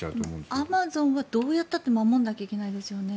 アマゾンはどうやったって守らないといけないですよね。